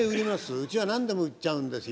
うちは何でも売っちゃうんですよ。